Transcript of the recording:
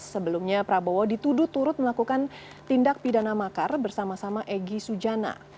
sebelumnya prabowo dituduh turut melakukan tindak pidana makar bersama sama egy sujana